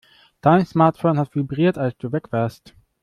Dein Smartphone hat vibriert, als du weg warst.